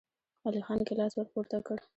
علی خان ګيلاس ور پورته کړ.